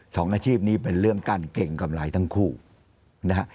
สองอาชีพนี้เป็นเรื่องกั้นเก่งกำไรทั้งคู่นะฮะ